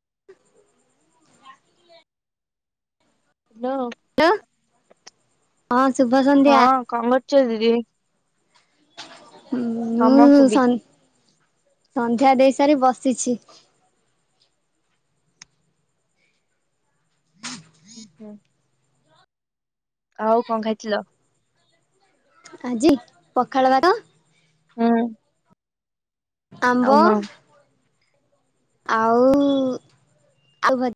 [unintelligible] Hello. ଲୋ ହଁ ସୁୁଭ ସନ୍ଧ୍ୟା । ହଁ [unintelligible] ମୁଁ ତମକୁ ବି । ସନ୍ଧ୍ୟା ଦେଇ ସାରି ବସିଛି । ହୁଁ ହୁଁ। ଆଉ କଣ ଖାଇଥିଲ ଆଜି ପଖାଳ ବାାଗ ହୁଁ ଆଉ ଆମ୍ବ କଣ ଆଉ ଆଉ ଭଜା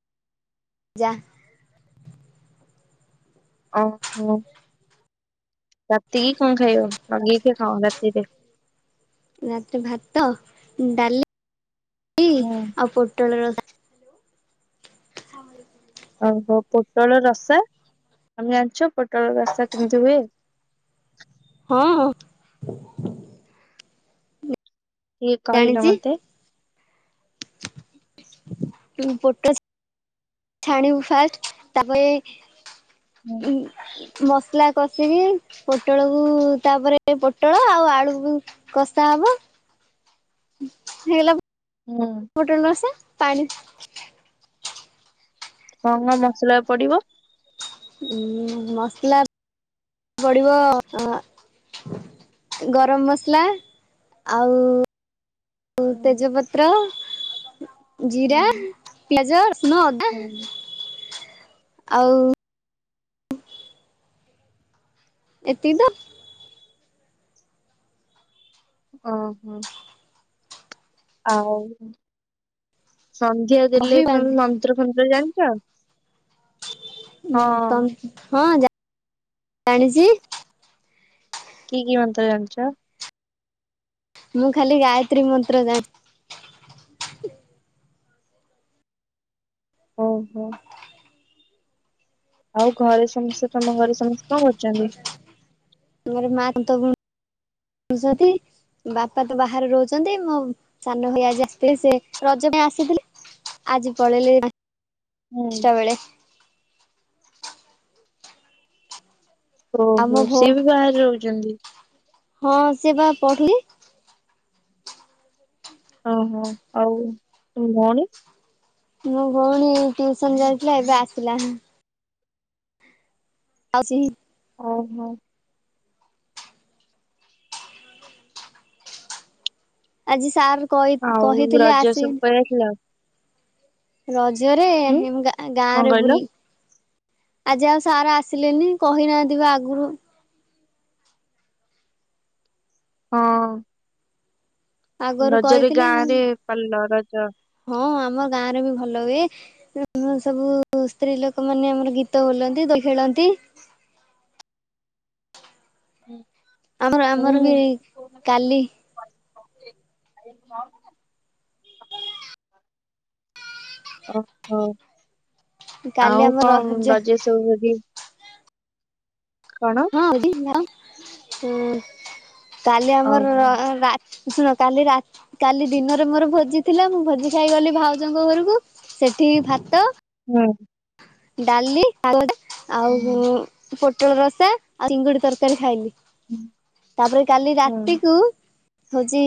ଭଜା ଆଚ୍ଛା ରାତି କି କଣ ଖାଇବ ଆଗି କେ ଖାଅ ରାତିରେ ରାତିରେ ଭାତ ଡାଲି ହୁଁ। ଆଉପ [unintelligible] ଓହୋ ପୋଟଳ ରସା ଆମେ ଜଣିଛ ପୋଟଳ ରସା କେମିତି ହୁଏ ହଁ କି କିଲ ଜାଣିଛି ମତେ ହଁ ପଟ ଛାଣିବ ଫାଷ୍ଟ ତାପରେ ହୁଁ ଉ ମସଲା କଷିକି ପୋଟଳକୁ ତାପରେ ପୋଟଳ ଆଉ ଆଳୁକୁ କଷା ହବ ହେଇଗଲା ହୋଟେଲରୁସ ପାଣି କଣ କଣ ମସଲା ପଡିବ ଉ ମସଲା ପଡିବ ଗରମ ମସଲା ଆଉ ହୁଁ ତେଜପତ୍ର ଜିରା ପିଆଜ ଶ ହୁଁ ଆଉ ଏତିଦ ଓ ହୋ ଆଉ ସନ୍ଧ୍ୟା ଦେଲେ ବହି ତମେ ମନ୍ତ୍ର ଫନ୍ତ୍ର ଯା ଚ ଉଁ ତମ ହଁ ଜା ଜାଣିଚି କି କି ମନ୍ତ୍ର ଜାଣିଚ? ମୁଁ ଖାଲି ଗାୟତ୍ରୀ ମନ୍ତ୍ର ଜାଣ ଓ ହୋ ଆଉ ଘରେ ସମସ୍ତେ ତମ ଘରେ ସମସ୍ତେ କଣ କରୁଚନ୍ତି? ମୋର ମାଆ ତନ୍ତ ବୁଣୁଚନ୍ତି ବାପା ତ ବାହାରେ ରହୁଚନ୍ତି ମୋ ସାନ ଭାଇ ଆଜି ଆସିଥିଲି ସେ ରଜ ପାଇଁ ଆସିଥିଲେ ଆଜି ପଳେଇଲେ ହୁଁ ଦଶଟା ବେଳେ ଓ ଆଉ ମୋ ହୋ ସିଏ ଭଉଣୀ ବି ବାହାରେ ରହୁଛନ୍ତି? ହଁ ସେ ବା କହିଲି। ଓ ହୋ ଆଉ ତମ ଭଉଣୀ? ମୋ ଭଉଣୀ ଟିଉସନ ଯାଇଥିଲା ଏବେ ଆସିଲା। ଆଉ ସି ଓ ହୋ ଆଜି ସାର ଆଉ ରଜ ସବୁ ପାଳି ଥିଲ? ରଜ ଜରେ ହୁଁ ହେ ମୁଁ ଗାଁ ଗାଁ କଣ ରେ କହିଲ ବୁଲି ଆଜି ଆଉ ସାର ଆସିଲେନି କହି ନାହାନ୍ତିି ବି ଆଗୁରୁ ହଁ ଆଗରୁ ରଜରେ କହିଥିଲେ ଗାଁରେ ପାଲିଲ ର ଜ ହଁ ଆମ ଗାଁରେ ବି ଭଲ ହୁଏ ଏଁ ସବୁ ସ୍ତ୍ରୀ ଲୋକ ମାନେ ଆମର ଗୀତ ବୋଲନ୍ତି ଦୋଳି ଖେଳନ୍ତି। ହୁଁ ଆଉ ଆମର ବି କାଲି [inaudible] ଓ ହୋ କାଲି ଆଉ ଆମ କଣ ରଜ ରେ ସବୁ ବୁ ହଁ [inaudible] ହୁଁ, କାଲି ଆମର ଓହୋ ର ରା ଶୁଣ କାଲି ରା କାଲି ଦିନରେ ମୋର ଭୋଜି ଥିଲା ମୁଁ ଭୋଜି ଖାଇଗଲି ଭାଉଜଙ୍କ ଘରକୁ ସେଠି ଭାତ ହୁଁ ଡାଲି [inaudible] ଆଉ ହୁଁ ଉଁ ପୋ ଦୋରସ ଆଉ ଚିଙ୍ଗୁଡି ତରକାରୀ ଖାଇଲି। ତାପରେ କାଲି ହୁଁ ରାତିକୁ ହଉଚି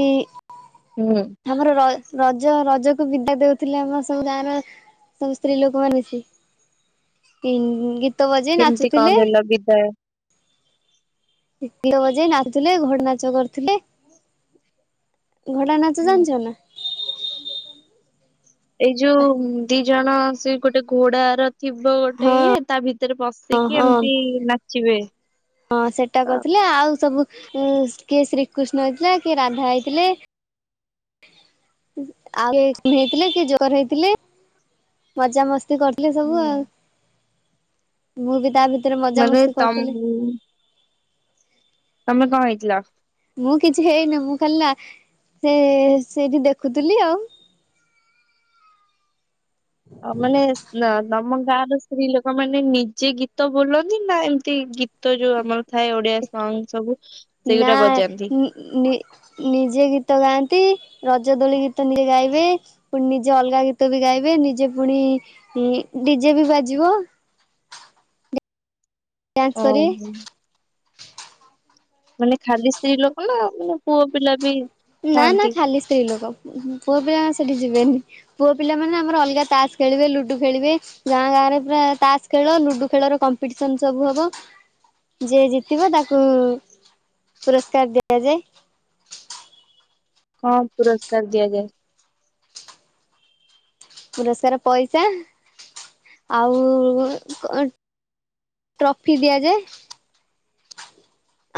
ହୁଁ ଆମର ର ରଜ ରଜକୁ ବିଦା ଦଉଥିଲେ ଆମ ସବୁ ଗାଁ ର ସବୁ ସ୍ତ୍ରୀ ଲୋକ ମାନେ ଯେତିକି କେମିତି କଣ ଦେଲ ବିଦାୟ। ଗୀତ ବଜେଇ ନାଚୁଥିଲେ ଘୋଡା‌ ନାଚ କରିଥିଲେ। ଘୋଡା ନାଚ ହୁଁ। ଜାଣିଛ ନା। ଏଇ ଯୋଉ ଦି ଜଣ ସେ ଗୋଟେ ଘୋଡାର ଥିବ ଗୋଟେ ହଁ ଇଏ ତା ଭିତ ଭିତରେ ହଁ ବସିକି ହଁ ଏମିତି ନାଚିବେ। ହଁ ସେଇଟା ତ କରିଥିଲେ ଆଉ ସବୁ ଉ କିଏ ଶ୍ରୀକୃଷ୍ଣ ହେଇଥିଲା କିଏ ରାଧା ହେଇଥିଲେ। [unintelligible] ହେଇଥିଲେ କିଏ ଜୋକର ହେଇଥିଲେ। ମଜା ମସ୍ ସ୍ତି କରିଥିଲେ ସବୁ ହୁଁ। ଆଉ। ମୁଁ ବି ତା ଭିତ ମାନେ ତମ ତମେ କଣ ହେଇଥିଲ? ମୁଁ କିଛି ହେଇନି ମୁଁ ଖା ନା ସେ ସେଇଠି ଦେଖୁଥିଲି ଆଉ। ଆଉ ମାନେ ସ ନା ନାମ ଗାଁ ର ସ୍ତ୍ରୀ ଲୋକ ମାନେ ନିଜେ ଗୀତ ବୋଲନ୍ତି ନା ଏମତି ଗୀତ ଯୋଉ ଆମର ଥାଏ ଓଡିଆ ସଙ୍ଗ ସବୁ ନା ସେଇଗୁଟା ବଜାନ୍ତି। ନି ନି ନିଜେ ଗୀତ ଗାଆନ୍ତି। ରଜ ଦୋଳି ଗୀତ ନିଜେ ଗାଇବେ ପୁଣି ନିଜେ ଅଲଗା ଗୀତ ବି ଗାଇବେ ନିଜେ ପୁଣି ଇ ଡିଜେ ବି ବାଜିବ। ଡାନ୍ସ କରିବେ। ଓହୋ। ମାନେ ଖାଲି ସ୍ତ୍ରୀ ଲୋକ ନା ମାନେ ପୁଅ ପିଲା ବି? ନା ନା ଥାଆନ୍ତି ଖାଲି ସ୍ତ୍ରୀ ଲୋକ ପୁଅ ପିଲା ସେଠି ଯିବେନି ପୁଅ ପିଲା ମାନେ ଆମର ଅଲଗା ତାସ ଖେଳିବେ ଲୁଡୁ ଖେଳିବେ ଗାଁ ଗାଁରେ ପୁରା ତାସ ଖେଳ ଲୁଡୁ ଖେଳର କମ୍ପିଟିସନ ସବୁ ହବ ଯିଏ ଜିତିବ ତାକୁ ପୁରସ୍କାର ଦିଆଯାଏ। କଣ ପୁରସ୍କାର ଦିଆଯାଏ? ପୁରସ୍କାର ପଇସା ଆଉ କ ଟ୍ରଫି ଦିଆଯାଏ।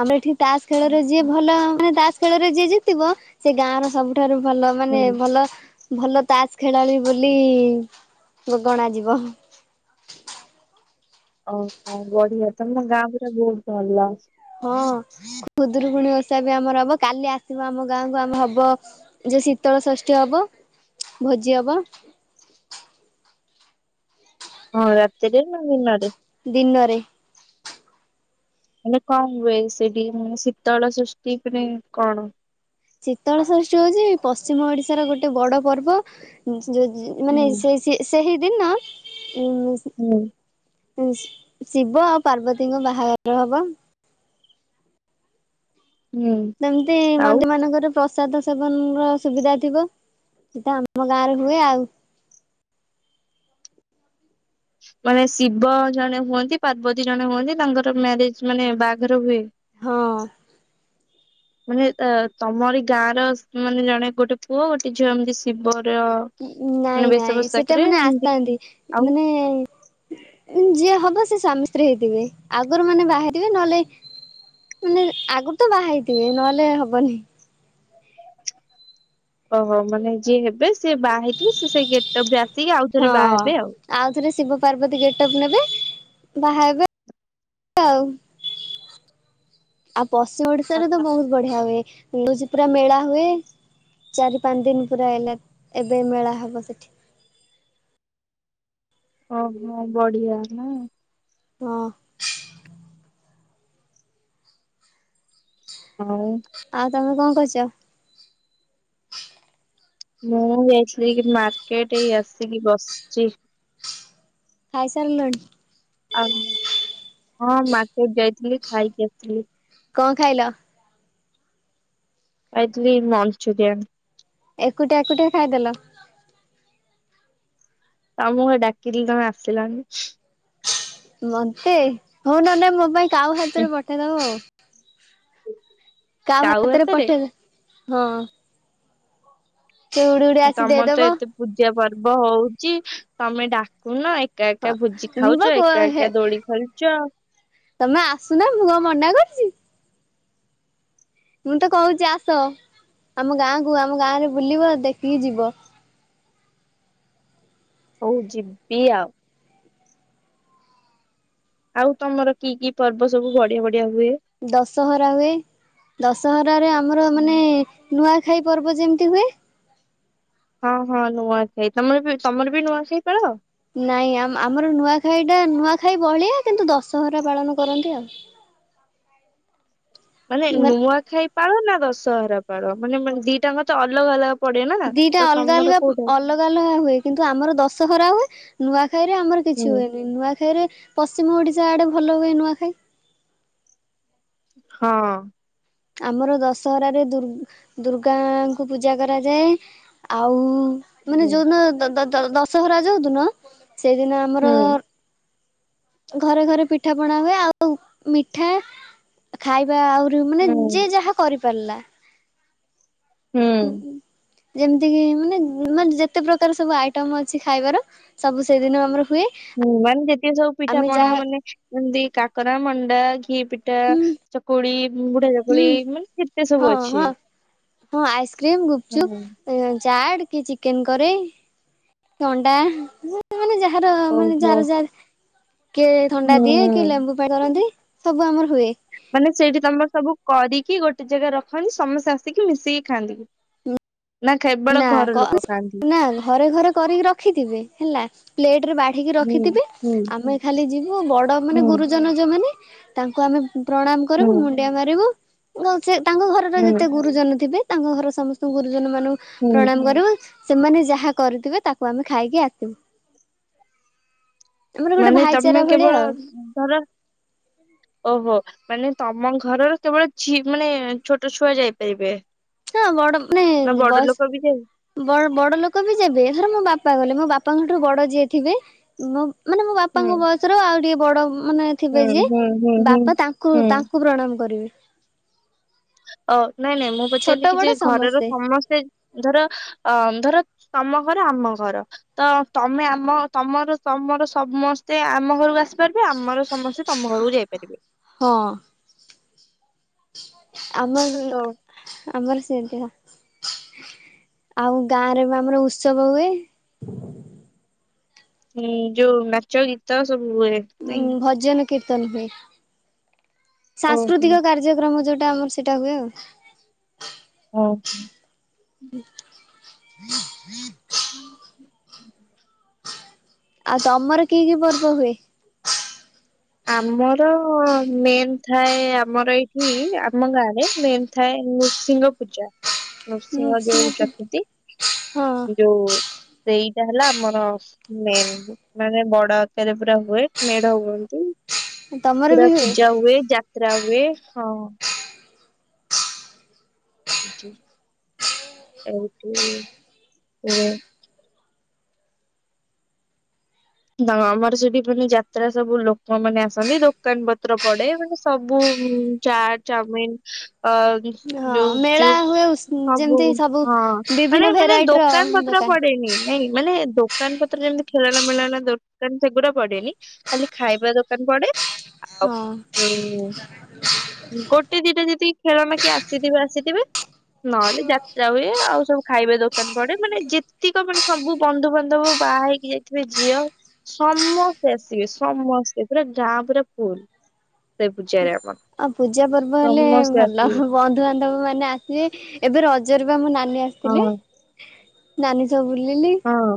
ଆମେ ଏଠି ତାସ୍ ଖେଳରେ ଯିଏ ଓହୋ। ଭଲ ମାନେ ତାସ୍ ଖେଳରେ ଯିଏ ଜିତିବ ସେ ଗାଁ ର ସବୁଠାରୁ ଭଲ ମାନେ ହୁଁ ଭଲ ଭଲ ତାସ ଖେଳାଳି ବୋଲି ଗ ଗଣା ଯିବ। ଓ ହୋ ବଢିଆ ତ ତମ ଗାଁ ପୁରା ବହୁତ ଭଲ। ହଁ ଖୁଦରୁକୁୁଣୀ ଓଷା ବି ଆମର ହବ କାଲି ଆସିବ ଆମ ଗାଁକୁ ଆମ ହବ ଯୋଉ ଶୀତଳ ଷଷ୍ଠୀ ହବ ଭୋଜି ହବ। ହଁ ରାତତିିରେ ନା ଦିନରେ। ଦିନରେ। ମେ କଣ ହୁଏ ସେଠି ମାନେ ଶୀତଳ ଷଷ୍ଠୀ ମାନେ କଣ? ଶୀତଳଷଷ୍ଠୀ ହଉଛି ପଶ୍ଚିମ ଓଡିଶାର ଗୋଟେ ବଡ ପର୍ବ। ଯିଏ ଯିଏ ମାନେ ହୁଁ। ସେ ସେହି ସେ ଦିନ ଉଁ। ହୁଁ ଉ ଶିବ ଆଉ ପାର୍ବତୀଙ୍କ ବାହାଘର ହବ। ହୁଁ ସେମିତି ଆଉ ମନ୍ଦି ମାନଙ୍କରେ ପ୍ରସ୍ ସାଦ ସେବନ ର ସୁବିଧା ଥିବ ସେଇଟା ଆମ ଗାଁ ରେ ହୁଏ ଆଉ। ମାନେ ଶିବ ଜଣେ ହୁଅନ୍ତି ପାର୍ବତୀ ଜଣେ ହୁଅନ୍ତି ତାଙ୍କର ମ୍ୟାରେଜ ମାନେ ବାହାଘର ହୁଏ। ହଁ। ମାନେ ଅ ତମରି ଗାଁ ର ମାନେ ଜଣେ ଗୋଟେ ପୁଅ ଗୋଟେ ଝିଅ ଏମିତି ଶିବ ନାଇଁ ନାଇଁ ସେଟା ମାନେ ଏମିତି ଆସିଥାନ୍ତି ଆଉ ମାନେ ଯିଏ ହବ ସୋମ ସ୍ତ୍ରି ହେଇଥିବେ ଆଗରୁ ମାନେ ବାହଥିବେ ନହେଲେ ମାନେ ଆଗରୁ ତ ବାହା ହେଇଥିବେ ନହେଲେ ହବନି। ଓହୋ ମାନେ ଯିଏ ହେବେ ସିଏ ବାହା ହେଇଥିବେ ସେ ସେ ଗେଟପ ଟା ଆ ହଁ ଆଉଥରେ ଶିବ ପାର୍ବତୀ ଗେଟପ ନେବେ ବାହା ହେବେ ଆଉ ପଶ୍ଚିମ ଓଡିଶାରେ ତ ବହୁତ ବଢିଆ ହୁଏ। ମିଳୁଚି ପୁରା ମେଳା ହୁଏ ଚାରି ପାଞ୍ଚ ଦିନ ପୁରା ହେଲା ଏବେ ମେଳା ହବ ସେଠି ଓହୋ ବଢିଆ ନା। ହଁ। ହଁ। ଆଉ ତମେ କଣ କରୁଛ। ମୁଁ ଯାଇଥିଲି କି ମାର୍କେଟ ଏଇ ଆସିକି ବସିଛି। ଖାଇସାରିଲଣି? ଆଉ ହଁ ମାର୍କେଟ ଯାଇଥିଲି ଖାଇକି ଆସିଥିଲି କଣ ଖାଇଲ? ଖାଇଥିଲି ମଞ୍ଚୁରିଆଁନ ଏକୁଟିଆ ଏକୁଟିଆ ଖାଇଦେଲ ତମକୁ ପା ଡାକିଲି ତମେ ଆସିଲନି। ମତେ ହଉ ନଲେ ମୋ ପାଇଁ କାଉ ହାତରେ ପଠେଇଦବ ଆଉ ହ। କାଉ ହାତରେ ପଠେଇଦେ ହଁ। ତ ଉଡି ଉଡି ଆସି ଦେଇଦବ ର୍ବ ହଉଛି ତମେ ଡାକୁନ ଏକ ଏକା ହଁ ଏକା ଭୋଜି ମୁଁ ବା ଖାଉଛ। କ ଏକା ହେ ଏକା ଦୋଳି ଖେଳୁଛ। ତମେ ଆସୁନା ମୁଁ କଣ ମନା କରିଛି। ମୁଁ ତ କହୁଛି ଆସ ଆମ ଗାଁକୁ ଆମ ଗାଁ ରେ ବୁଲିବ ଦେଖିକି ଯିବ। ହଉ ଯିବି ଆଉ। ଆଉ ତମର କି କି ପର୍ବ ସବୁ ବଢିଆ ବଢି ଦଶହରା ହୁଏ ଦଶହରାରେ ଆମର ମାନେ ନୂଆ ଖାଇ ପର୍ବ ଯେମିତି ହୁଏ। ହଁ ହଁ ନୂଆଖାଇ ତମର ବି ତମର ବି ନୂଆଖାଇ ପାଳ। ନାଇଁ ଆମର ନୂଆଖାଇ ଟା ନୂଆଖାଇ ବହଳିଆ କିନ୍ତୁ ଦଶହରା ପାଳନ କରନ୍ତି ଆଉ। ମାନେ ନୂଆଖାଇ ପାଳ ନା ଦଶହରା ପାଳ ମାନେ ଦିଟାଙ୍କ ତ ଅଲଗା ଅଲଗା ପଡେ ନା। ଦିଟା ତ ଅଲଗା ତମର ଅଲଗା କୋଉଟା ଅଲଗା ଅଲଗା ହୁଏ। କିନ୍ତୁ ଆମର ଦଶହରା ହୁଏ ନୂଆ ଖାଇରେ ଆମର କିଛି ହୁଁ ହୁଏନି। ନୂଆଖାଇରେ ପ ପଶ୍ଚିମ ଓଡିଶା ଆଡେ ଭଲ ହୁଏ ନୂଆଖାଇ। ହଁ। ଆମର ଦଶହରାରେ ଦୁର୍ ଦୁର୍ଗାଙ୍କୁ ପୂଜା କରାଯାଏ। ଆଉ ମାନେ ହୁଁ। ଯୋଉଦିନ ଦଦ୍ ଦଦ୍ ଦଶହରା ଯୋଉ ଦିନ। ସେଇଦିନ ଆମର। ହୁଁ ଘରେ ଘରେ ପିଠା ପଣା ହୁଏ। ଆଉ ମିଠା ଖାଇ ଆହୁରି ମାନେ ଯିଏ ଯାହା କରି ପାଲା। ହୁଁ। ଯେମିତି କି ମାନେ ମାନେ ଯେତେ ପ୍ରକାର ସବୁ ଆଇଟମ୍ ଅଛି ଖାଇବାର ସବୁ ସେଦିନ ଆମର ହୁଏ। ହୁଁ ମାନେ ଯେତିି ସବୁ ପିଠା ଆମେ ପଣା ଯାହା ମାନେ ଏମିତି କାକରା ମ ଘିଅ କିଏ ପିଠା ହୁଁ ଚକୁଳି ବୁଢା ହୁଁ ଜାକୁଳି ମାନେ କେତେ ହଁ ସବୁ ହଁ ଅଛି। ହଁ ଆଇ କ୍ରିମ୍ ହୁଁ ଗୁପଚୁପ୍। ଚାଟ କି ଚିକେନ୍ କରେ କି ଅଣ୍ଡା। ମାନେ ଯାହାର ମାନେ ଓହୋ ଯାହାର ଯାହା କିଏ ଥଣ୍ଡା ଦିଏ କିଏ ହୁଁ। ଲେମ୍ବୁ ପାଣି କରନ୍ତି। ସବୁ ଆମର ହୁଏ। ମାନେ ସେଇଠି ତମର ସବୁ କରିକି ଗୋଟେ ଜାଗା ରଖନ୍ତି ସମସ୍ତେ ଆସିକି ମିଶିକି ଖାଆନ୍ତି ନା କେବଳ ନା ଘର ଲୋକ ଖାଆନ୍ତି ନା ଘରେ ଘରେ କରିକି ରଖିଥିବେ ହେଲା ପ୍ଲେଟ ରେ ବାଢିକି ହୁଁ ରଖିଥିବେ ହୁଁ ଆମେ ଖାଲି ଯିବୁ ବଡ ମାନେ ହୁଁ ଗୁରୁଜନ ଯୋଉମାନେ ତାଙ୍କୁ ଆମେ ପ୍ରଣାମ ହୁଁ କରିବୁ ମୁଣ୍ଡିଆ ମାରିବୁ ହଉ ସେ ତାଙ୍କ ଘରର ହୁଁ। ଯେତେ ଗୁରୁଜନ ଥିବେ ତାଙ୍କ ଘର ସମସ୍ତ ଗୁରୁଜନ ମାନଙ୍କୁ ହୁଁ ପ୍ରଣାମ କରିବୁ ସେମାନେ ଯାହା କରୁଥିବେ ତାକୁ ଆମେ ଖାଇକି ଆସିବୁ ଆମର ଗୋଟେ ମାନେ ତମେ ଭାଇଚାରା ଭଳିଆ କେବଳ ଆଉ ଧର ଓହୋ ମାନେ ତମ ଘରର କେବଳ ଝି ମାନେ ଛୋଟ ଛୁଆ ଯାଇପାରିବେ ହଁ ବଡ ନା ବଡ ଲୋକ ବି ଯାଇ ବୟସ୍କ ବଡ ଲୋକ ବି ଯବେ ଧର ମୋ ବାପା ଗଲେ ମୋ ବାପା ବାପାଙ୍କଠୁ ବଡ଼ ଯିଏ ଥିବେ ମୋ ମାନେ ମୋ ହୁଁ ବାପାଙ୍କ ବୟସର ଆଉ ଟିକେ ବଡ଼ ଉମ୍ ମାନେ ହୁଁ ଥିବେ ଯିଏ ହୁଁ ହୁଁ ହୁଁ। ବାପା ତାଙ୍କୁ ହୁଁ ତାଙ୍କୁ ପ୍ରଣାମ କରିବେ। ଅ ନାଇଁ ନାଇଁ ମୁଁ ଛୋଟ ପଚାରିଲି କି ବଡ ଯେ ଘରର ସମସ୍ତେ। ସମସ୍ତେ ଧର ଅ ଧର ତମ ଘର ଆମ ଘର ତ ତମେ ଆମ ତମର ତମର ସମସ୍ତେ ଆମ ଘରକୁ ଆସି ଆସି ପାରିବେ ଆମର ସମସ୍ତେ ତମ ଘରକୁ ଯାଇପାରିବେ। ହଁ ଆମର ତ ଆମର ସେ [unintelligible] ଆଉ ଗାଁରେ ବି ଆମର ଉତ୍ସବ ହୁଏ। ହୁଁ ଯୋଉ ନାଚ ଗୀତ ସବୁ ହୁଏ ନାଇଁ। ଉଁ ଭଜନ କୀର୍ତ୍ତନ ହୁଏ। ସାଂସ୍କୃତିକ କାର୍ଯ୍ୟକ୍ରମ ଯୋଉ ସେଟା ଆମର ସେଇଟା ହୁଏ ଆଉ। ହଉ ହୁଁ। [unintelligible] ଆଉ ତମର କି କି ପର୍ବ ହୁଏ? ଆମର ମେନ ଥାଏ ଆମର ଏଇଠି ଆମ ଗାଁ ରେ ମେନ୍ ଥାଏ ନୃସିଂହ ପୂଜା ନୃ ସିଂହ ଯୋଉ ହଁ ଚର୍ତୁଥି ଯୋଉ ସେଇଟା ହେଲା ଆମର ମେନ ମାନେ ବଡ ଆକାରରେ ପୁରା ହୁଏ ମେଢ ହୁଅନ୍ତି। ତମର ପୁରା ବି ପୂଜା ହୁଏ ଯାତ୍ରା ହୁଏ। ହଁ। ଏଇଠି ଏଇଠି ହୁଏ। ହଁ ଆମର ସେଠି ପୁଣି ଯାତ୍ରା ସବୁ ଲୋକମାନେ ଆସନ୍ତି ଦୋକାନ ପତ୍ର ପଡେ ସବୁ ଚା ଚାଉମିନ ଅ ହଁ ଯୋଉ ମେଳା ଗୁପଚୁପ ହୁଏ ସବୁ ହଁ ମାନେ ବିଭିନ୍ନ ମାନେ ଭେରାଇଟିର ଦୋକାନ ପତ୍ର ପଡେନି ନାଇଁ ମାନେ ଦୋକ ଦୋକାନ ପତ୍ର ଯେମିତି ଖେଳଣା ମେଳଣା ଦୋକାନ ସେଗୁଡା ପଡେନି ଖାଲି ଖାଇବା ଦୋକାନ ପଡେ। ଆଉ ହଁ ଯୋଉ ଗୋଟେ ଦିଟା ଯଦି ଖେଳଣା କିଏ ଆସିଥିବେ ଆସିଥିବେ। ନହେଲେ ଯାତ୍ରା ହୁଏ ଆଉ ସବୁ ଖାଇବା ଦୋକାନ ପଡେ ମାନେ ଯେତିକ ମାନେ ସବୁ ବନ୍ଧୁବାନ୍ଧବ ବାହା ହେଇକି ଯାଇ ଭି ଝିଅ ସମସ୍ତେ ଆସିବେ ସମସ୍ତେ ପୁରା ଗାଁ ପୁରା ଫୁଲ ସେ ପୂଜାରେ ଆମର ଆଉ ପୂଜା ପର୍ବ ହେଲେ ସମସ୍ତେ ଭଲ ଆସିବେ ବନ୍ଧୁ ବାନ୍ଧ ନ୍ଧବ ମାନେ ଆସିବେ ଏବେ ରଜର ବା ମୋ ନାଚ ରେ ଆସିଥିଲେ। ହଁ ନାନୀ ସବୁ ବୁଲିଲି। ହଁ।